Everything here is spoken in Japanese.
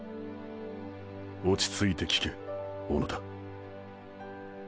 落ちついて聞け小野田。